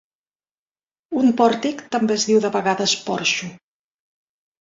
Un pòrtic també es diu de vegades porxo.